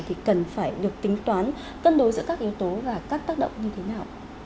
thì cần phải được tính toán cân đối giữa các yếu tố và các tác động như thế nào